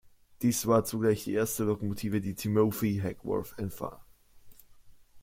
Dies war zugleich die erste Lokomotive, die Timothy Hackworth entwarf.